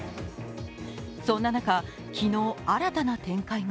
そんな中、昨日、新たな展開が。